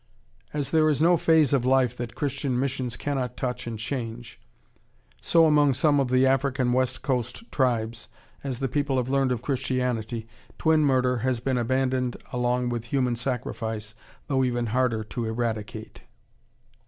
As there is no phase of life that Christian missions cannot touch and change, so among some of the African West Coast tribes, as the people have learned of Christianity, twin murder has been abandoned along with human sacrifice, though even harder to eradicate.